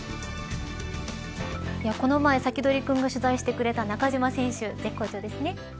この前、サキドリくんが取材してくれた中島選手絶好調ですね。